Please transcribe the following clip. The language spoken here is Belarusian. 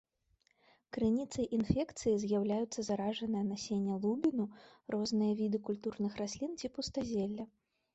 Крыніцай інфекцыі з'яўляюцца заражанае насенне лубіну, розныя віды культурных раслін ці пустазелля.